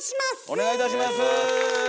お願いいたします。